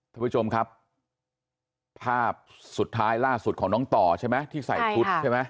ท่านผู้ชมครับภาพสุดท้ายล่าสุดของน้องต่อใช่ไหมที่ใส่ชุดใช่ไหม